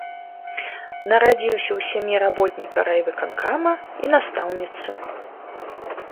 Нарадзіўся ў сям'і работніка райвыканкама і настаўніцы.